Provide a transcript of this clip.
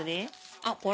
あっこれ？